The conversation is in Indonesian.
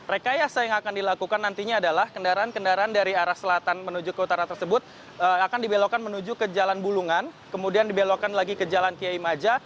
rekayasa yang akan dilakukan nantinya adalah kendaraan kendaraan dari arah selatan menuju ke utara tersebut akan dibelokkan menuju ke jalan bulungan kemudian dibelokkan lagi ke jalan kiai maja